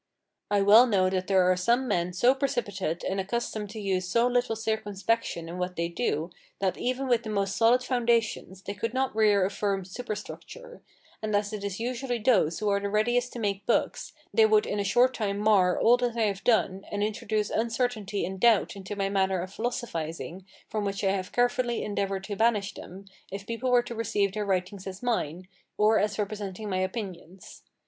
I well know that there are some men so precipitate and accustomed to use so little circumspection in what they do, that, even with the most solid foundations, they could not rear a firm superstructure; and as it is usually those who are the readiest to make books, they would in a short time mar all that I have done, and introduce uncertainty and doubt into my manner of philosophizing, from which I have carefully endeavoured to banish them, if people were to receive their writings as mine, or as representing my opinions.